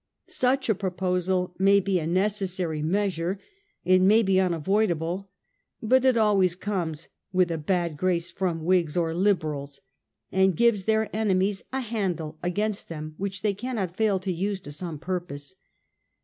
Such a proposal may be a necessary measure ; it may be unavoidable ; but it always comes with a bad grace from Whigs or Liberals, and gives their enemies a handle against them wMch they cannot fail to use to some purpose.